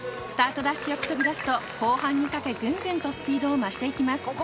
スタートダッシュよく飛び出すと後半にかけぐんぐんとスピードを増していきます。